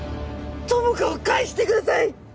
友果を返してください！